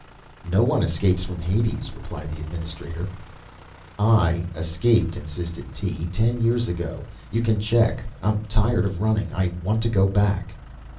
"No one escapes from Hades," replied the administrator. "I escaped!" insisted Tee. "Ten years ago. You can check. I'm tired of running. I want to go back."